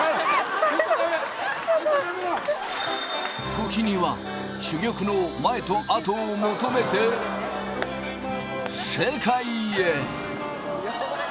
時には珠玉の前と後を求めて世界へ！